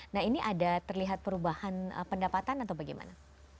nah ini ada terlihat perubahan pendapatan atau bagaimana